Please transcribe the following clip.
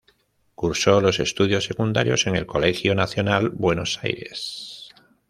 Cursó los estudios secundarios en el Colegio Nacional Buenos Aires.